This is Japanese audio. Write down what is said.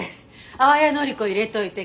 淡谷のり子入れといて。